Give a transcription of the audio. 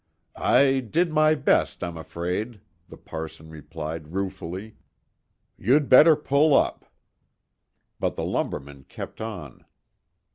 "I did my best, I'm afraid," the parson replied ruefully. "You'd better pull up." But the lumberman kept on.